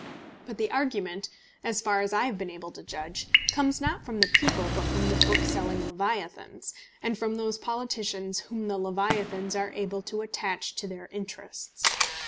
But the argument, as far as I have been able to judge, comes not from the people, but from the bookselling leviathans, and from those politicians whom the leviathans are able to attach to their interests.